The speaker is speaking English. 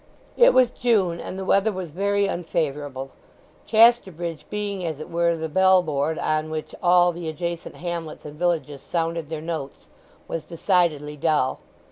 It was June, and the weather was very unfavourable. Casterbridge, being as it were the bell board on which all the adjacent hamlets and villages sounded their notes, was decidedly dull.